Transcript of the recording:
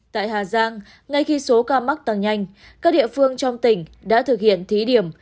tại hà giang ngay khi số ca mắc tăng nhanh các địa phương trong tỉnh đã thực hiện thí điểm